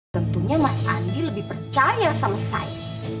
tentunya mas andi lebih percaya sama saya